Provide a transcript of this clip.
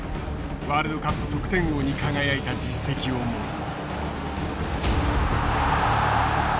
ワールドカップ得点王に輝いた実績を持つ。